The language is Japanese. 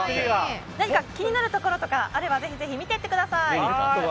気になるところとかあれば見ていってください。